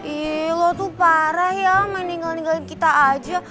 ih lo tuh parah ya meninggal ninggalin kita aja